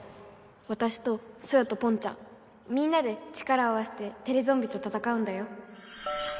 わたしとソヨとポンちゃんみんなで力を合わせてテレゾンビとたたかうんだよ。